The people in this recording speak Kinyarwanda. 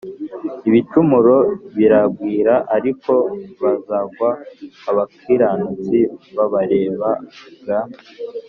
ibicumuro biragwira ariko bazagwa abakiranutsi babareba g